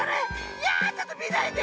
いやちょっとみないで！